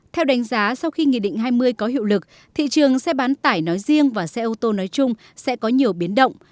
theo đánh giá sau khi nghị định hai mươi có hiệu lực thị trường xe bán tải nói riêng và xe ô tô nói chung sẽ có nhiều biến động